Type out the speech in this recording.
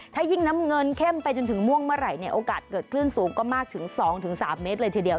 ถ้ายิ่งน้ำเงินเข้มไปจนถึงม่วงเมื่อไหร่เนี่ยโอกาสเกิดคลื่นสูงก็มากถึง๒๓เมตรเลยทีเดียว